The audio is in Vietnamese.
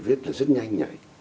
viết rất nhanh nhảy